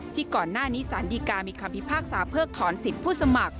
ก่อนหน้านี้สารดีกามีคำพิพากษาเพิกถอนสิทธิ์ผู้สมัคร